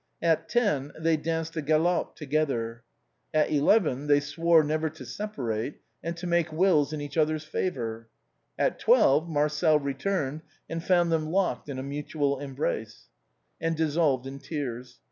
At ten, they danced the galop together. At eleven, they swore never to separate, and to make wills in each other's favor. At twelve. Marcel returned, and found them locked in a mutual embrace, and dissolved in tears.